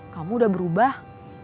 kamu udah berubah